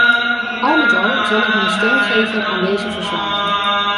Al met al zal ik mijn steun geven aan deze verslagen.